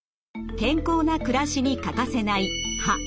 健康な暮らしに欠かせない歯。